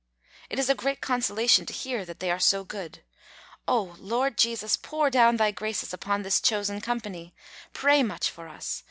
It is a great consolation to hear that they are so good. Oh! Lord Jesus, pour down Thy graces upon this chosen company. Pray much for us.